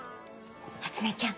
初音ちゃん